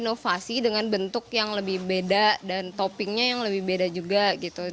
inovasi dengan bentuk yang lebih beda dan toppingnya yang lebih beda juga gitu